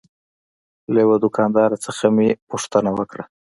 له یوه دوکاندار نه مې پوښتنه وکړه.